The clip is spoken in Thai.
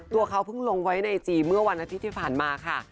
ตัวเขาเพิ่งลงไว้ในไอจีเมื่อวันอาทิตย์ที่ผ่านมาค่ะ